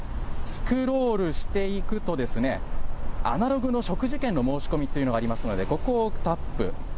スクロールしていくとアナログの食事券の申し込みというのがありますのでここをタップ。